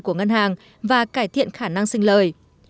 của ngân hàng và cải thiện khả năng sinh lời